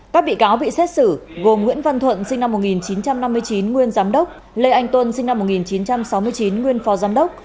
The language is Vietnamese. các bị cáo bị xét xử gồm nguyễn văn thuận sinh năm một nghìn chín trăm năm mươi chín nguyên giám đốc lê anh tuấn sinh năm một nghìn chín trăm sáu mươi chín nguyên phó giám đốc